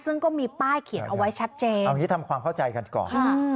ซึ่งก็มีป้ายเขียนเอาไว้ชัดเจนเอาอย่างนี้ทำความเข้าใจกันก่อน